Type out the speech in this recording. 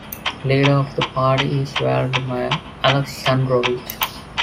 Leader of the party is Vladimir Alexandrovich.